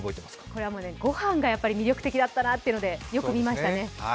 これはご飯がやっぱり魅力的だったなっていうことでよく見ましたね。